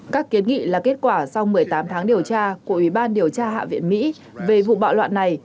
các kiến nghị là kết quả sau một mươi tám tháng điều tra của ủy ban điều tra hạ viện mỹ về vụ bạo loạn này